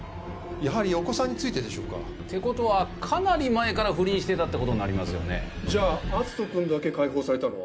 やはりお子さんについてでしょうか？ってことはかなり前から不倫してたってことになりますよね。じゃあ篤斗君だけ解放されたのは？